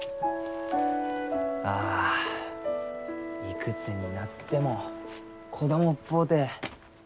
あいくつになっても子供っぽうて。